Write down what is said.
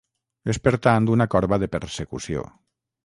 És per tant un corba de persecució.